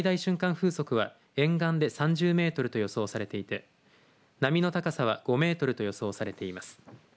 風速は沿岸で３０メートルと予想されていて波の高さは５メートルと予想されています。